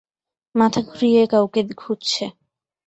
মাথা ঘুরিয়ে কাউকে খুঁজছে।